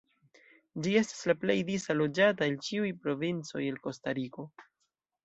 Ĝi estas la plej disa loĝata el ĉiuj provincoj de Kostariko.